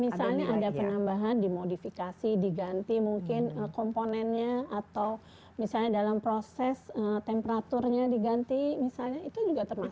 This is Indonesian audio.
misalnya ada penambahan dimodifikasi diganti mungkin komponennya atau misalnya dalam proses temperaturnya diganti misalnya itu juga termasuk